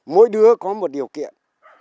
mỗi đứa có một điều kiện